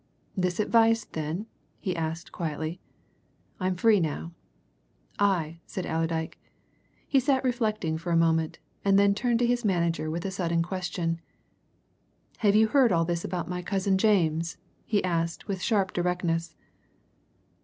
"This advice, then?" he asked quietly. "I'm free now." "Aye!" said Allerdyke. He sat reflecting for a moment, and then turned to his manager with a sudden question. "Have you heard all this about my cousin James?" he asked with sharp directness.